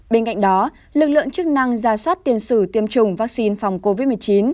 bên cạnh đó lực lượng chức năng ra soát tiền sử tiêm chủng vaccine phòng covid một mươi chín